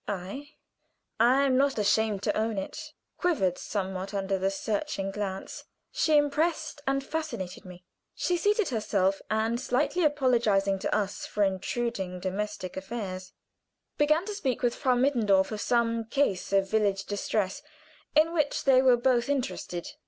I I am not ashamed to own it quivered somewhat under her searching glance. She impressed and fascinated me. She seated herself, and slightly apologizing to us for intruding domestic affairs, began to speak with Frau Mittendorf of some case of village distress in which they were both interested.